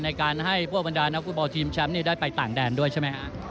ในการให้พวกบรรดานักฟุตบอลทีมแชมป์ได้ไปต่างแดนด้วยใช่ไหมฮะ